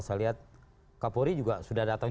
saya lihat kak polri juga sudah datang